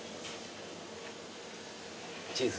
チーズ？